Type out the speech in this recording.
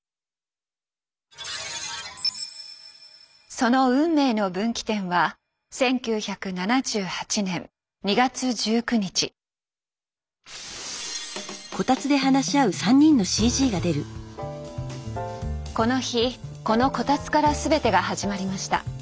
その運命の分岐点はこの日このこたつから全てが始まりました。